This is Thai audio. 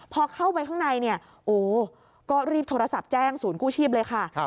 พอเข้าไปข้างในเนี่ยโอ้ก็รีบโทรศัพท์แจ้งศูนย์กู้ชีพเลยค่ะ